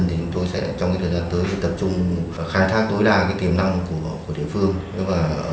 và trồng râu thì chúng tôi sẽ tập trung trong cái phát triển sản xuất là như vậy